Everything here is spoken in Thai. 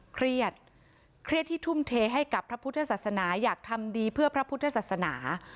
เครียดเครียดที่ทุ่มเทให้กับพระพุทธศาสนาอยากทำดีเพื่อพระพุทธศาสนา